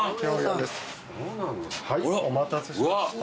はいお待たせしました。